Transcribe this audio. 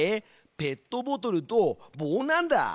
ペットボトルと棒なんだ。